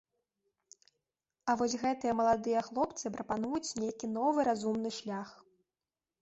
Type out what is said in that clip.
А вось гэтыя маладыя хлопцы прапануюць нейкі новы разумны шлях.